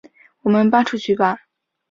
我们搬出去吧